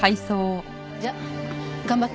じゃあ頑張って。